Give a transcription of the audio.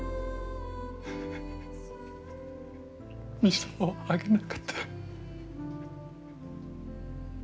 水をあげなかった。